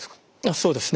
そうですね。